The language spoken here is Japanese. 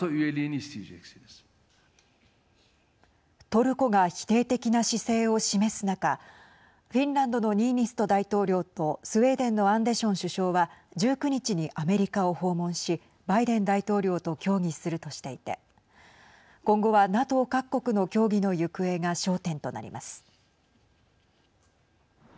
トルコが否定的な姿勢を示す中フィンランドのニーニスト大統領とスウェーデンのアンデション首相は１９日にアメリカを訪問しバイデン大統領と協議するとしていて今後はＮＡＴＯ各国の協議の行方が焦点となります。